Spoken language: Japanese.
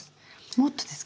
もっとですか？